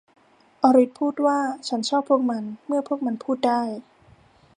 อลิซพูดว่า ฉันชอบพวกมันเมื่อพวกมันพูดได้